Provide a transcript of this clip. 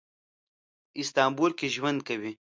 په استانبول کې ژوند کوي.